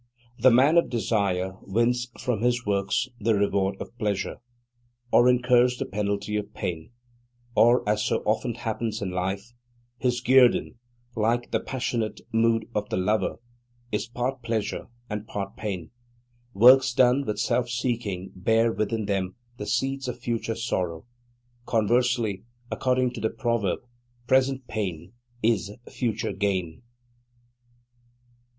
The man of desire wins from his works the reward of pleasure, or incurs the penalty of pain; or, as so often happens in life, his guerdon, like the passionate mood of the lover, is part pleasure and part pain. Works done with self seeking bear within them the seeds of future sorrow; conversely, according to the proverb, present pain is future gain.